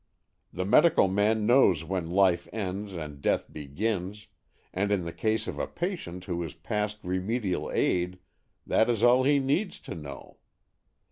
The medical man knows when life ends and death begins, and in the case of a patient who is past remedial aid that is all he needs to know.